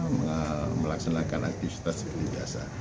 kita melaksanakan aktivitas seperti biasa